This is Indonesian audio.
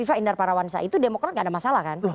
arawansa itu demokrasi tidak ada masalah kan